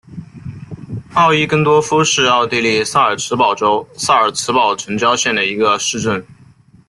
奥伊根多夫是奥地利萨尔茨堡州萨尔茨堡城郊县的一个市镇。